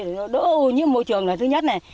đỡ ô nhiễm môi trường là thứ nhất